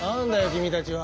君たちは。